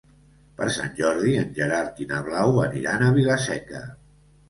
Per Sant Jordi en Gerard i na Blau aniran a Vila-seca.